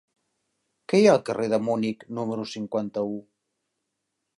Què hi ha al carrer de Munic número cinquanta-u?